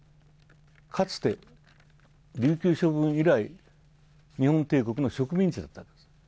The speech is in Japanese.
かつて琉球処分以来、日本帝国の植民地だったんです。